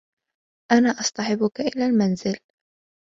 أنا أصطحبك إلى المنزل.